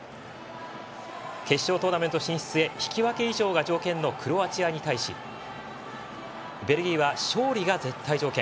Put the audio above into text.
決勝トーナメント進出へ引き分け以上が条件のクロアチアに対しベルギーは勝利が絶対条件。